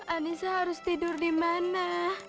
anissa harus tidur di mana